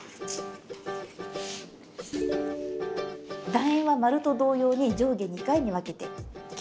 だ円は丸と同様に上下２回に分けて切ります。